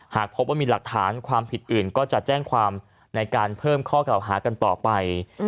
หากพบว่ามีหลักฐานความผิดอื่นก็จะแจ้งความในการเพิ่มข้อเก่าหากันต่อไป